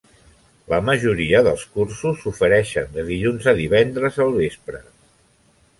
La majoria dels cursos s'ofereixen de dilluns a divendres al vespre.